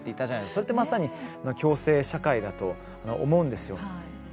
それってまさに共生社会だと思うんですよ。